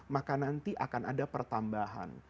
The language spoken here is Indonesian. maka nanti akan ada pertambahan